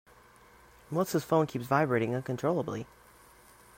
Melissa's phone kept vibrating uncontrollably.